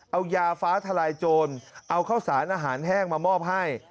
เอายาฟ้าทลายโจรเอาข้าวสารอาหารแห้งมามอบให้